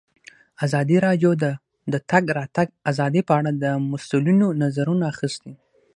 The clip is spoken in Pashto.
ازادي راډیو د د تګ راتګ ازادي په اړه د مسؤلینو نظرونه اخیستي.